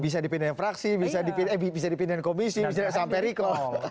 bisa dipindahin komisi sampai recall